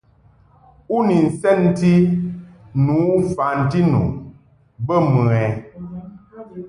U ni nsɛnti tu fanti nu bə mɨ ɛ ?